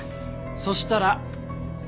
そしたら。